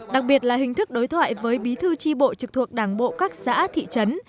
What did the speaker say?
đặc biệt là hình thức đối thoại với bí thư tri bộ trực thuộc đảng bộ các xã thị trấn